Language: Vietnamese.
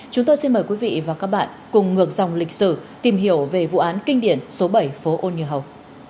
chúng tôi xin mời quý vị và các bạn cùng ngược dòng lịch sử tìm hiểu về vụ án kinh điển số bảy phố ô như hầu